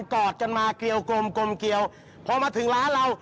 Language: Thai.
กอดกันมาเกลียวกลมกลมเกลียวพอมาถึงร้านเรา